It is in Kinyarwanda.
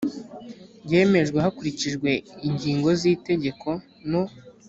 yemejwe hakurikijwe ingingo z itegeko no